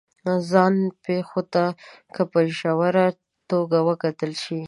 ځان پېښو ته که په ژوره توګه وکتل شي